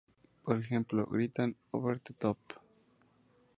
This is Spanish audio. Por ejemplo, gritan "over the top!